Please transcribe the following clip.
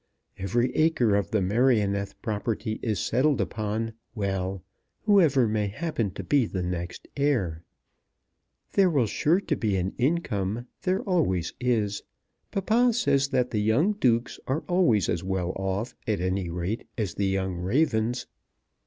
Every acre of the Merioneth property is settled upon, well, whoever may happen to be the next heir. There will sure to be an income. There always is. Papa says that the young dukes are always as well off, at any rate, as the young ravens.